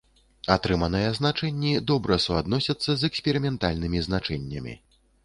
Атрыманыя значэнні добра суадносяцца з эксперыментальнымі значэннямі.